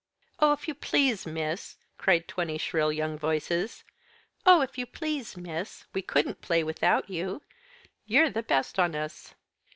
"Oh, if you please, miss," cried twenty shrill young voices, "oh, if you please, miss, we couldn't play without you you're the best on us!"